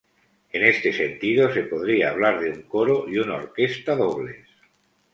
En este sentido se podría hablar de un coro y una orquesta dobles.